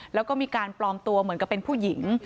แล้วก็มีการปลอมตัวเหมือนกับเป็นผู้หญิง